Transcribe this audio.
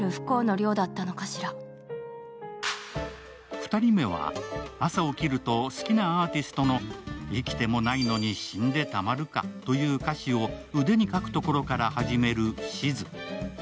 ２人目は朝起きると好きなアーティストの「生きてもないのに死んでたまるか」という歌詞を腕に書くところから始める静。